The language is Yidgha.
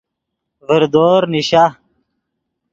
ڤردور نیشا